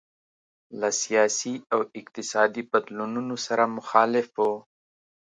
له سیاسي او اقتصادي بدلونونو سره مخالف وو.